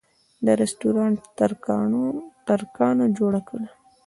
دا رسټورانټ ترکانو جوړه کړې.